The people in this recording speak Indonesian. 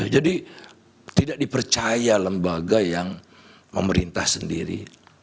jadi tidak dipercaya lembaga yang memerintah sendiri